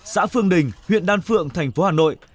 xã phương đình huyện đan phượng tp hà nội